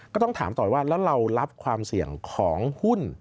ก็ต้องถามต่อว่าแล้วเรารับความเสี่ยงของหุ้น